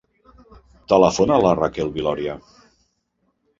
Telefona a la Raquel Viloria.